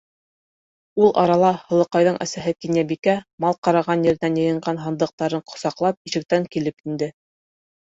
Ул арала Һылыуҡайҙың әсәһе Кинйәбикә мал ҡараған еренән йыйған һандыҡтарын ҡосаҡлап ишектән килеп инде.